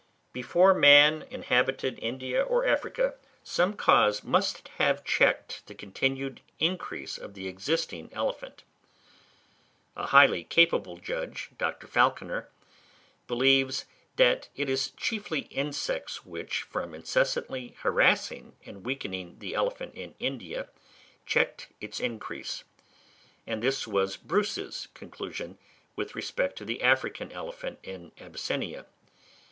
Before man inhabited India or Africa, some cause must have checked the continued increase of the existing elephant. A highly capable judge, Dr. Falconer, believes that it is chiefly insects which, from incessantly harassing and weakening the elephant in India, check its increase; and this was Bruce's conclusion with respect to the African elephant in Abyssinia.